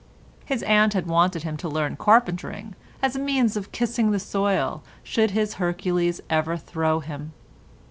His aunt had wanted him to learn carpentering, as a means of kissing the soil should his Hercules ever throw him.